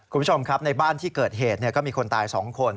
คุณผู้ชมครับในบ้านที่เกิดเหตุก็มีคนตาย๒คน